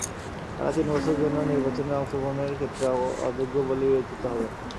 তাঁরা তিন বছরের জন্য নির্বাচনে অংশগ্রহণের ক্ষেত্রে অযোগ্য বলে বিবেচিত হবেন।